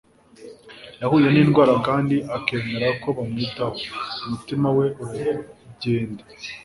yahuye n'indwara kandi akemera ko bamwitaho. umutima we uragenda